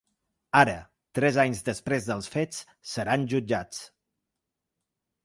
Ara, tres anys després dels fets, seran jutjats.